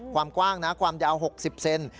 ความกว้างนะความยาว๖๐เซน